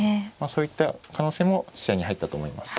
そういった可能性も視野に入ったと思います。